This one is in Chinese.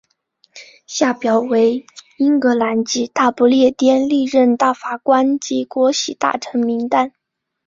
下表为英格兰及大不列颠历任大法官及国玺大臣名单。